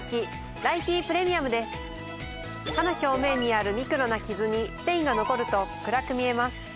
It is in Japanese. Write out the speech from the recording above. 歯の表面にあるミクロなキズにステインが残ると暗く見えます。